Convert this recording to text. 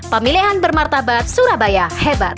pemilihan bermartabat surabaya hebat